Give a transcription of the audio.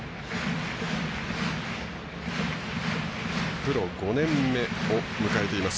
プロ５年目を迎えています。